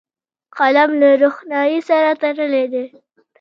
قلم له روښنايي سره تړلی دی